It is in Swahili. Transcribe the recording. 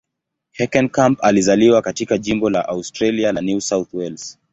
Heckenkamp alizaliwa katika jimbo la Australia la New South Wales.